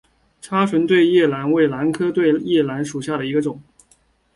叉唇对叶兰为兰科对叶兰属下的一个种。